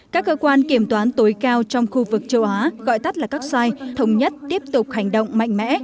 các cơ quan kiểm toán tối cao trong khu vực châu á gọi tắt là các sai thống nhất tiếp tục hành động mạnh mẽ